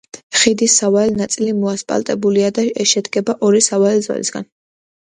ხიდის სავალი ნაწილი მოასფალტებულია და შედგება ორი სავალი ზოლისაგან.